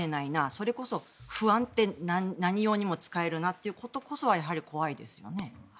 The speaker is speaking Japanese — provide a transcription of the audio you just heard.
それこそ不安って何用にも使えるなってことこそが怖いですよね。